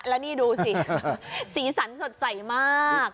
แล้วนี่ดูสิสีสันสดใสมาก